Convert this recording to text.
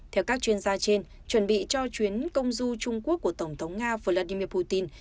theo các chuyên gia trên chuẩn bị cho chuyến công du trung quốc của tổng thống nga vladimir putin